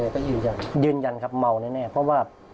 ก็ยืนยันครับอะไรก็ยืนยันแน่แน่เพราะว่า